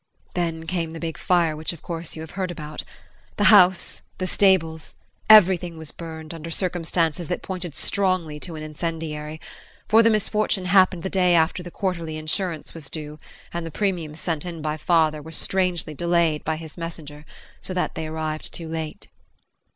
Then came the big fire which of course you have heard about. The house, the stables everything was burned, under circumstances that pointed strongly to an incendiary, for the misfortune happened the day after the quarterly insurance was due and the premiums sent in by father were strangely delayed by his messenger so that they arrived too late.